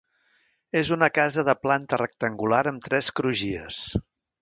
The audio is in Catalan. És una casa de planta rectangular amb tres crugies.